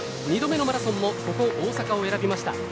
二度目のマラソンもここ大阪を選びました。